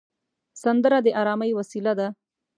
سندره د ارامۍ وسیله ده